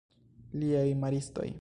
Liaj maristoj!